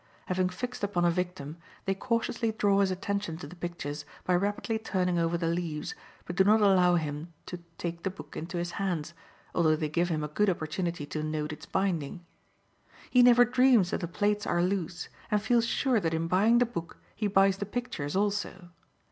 Having fixed upon a victim, they cautiously draw his attention to the pictures by rapidly turning over the leaves, but do not allow him to take the book into his hands, although they give him a good opportunity to note its binding. He never dreams that the plates are loose, and feels sure that in buying the book he buys the pictures also.